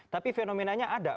tapi fenomenanya ada